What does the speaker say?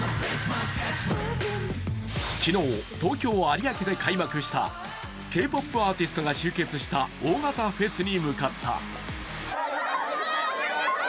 昨日、東京・有明で開幕したＫ−ＰＯＰアーティストが終結した大型フェスに向かった。